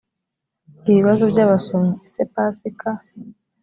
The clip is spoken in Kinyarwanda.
ibibazo by abasomyi ese pasika